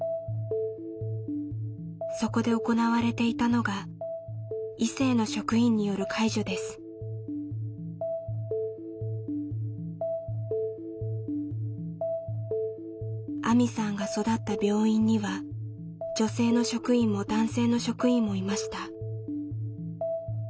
そこで行われていたのがあみさんが育った病院には女性の職員も男性の職員もいました。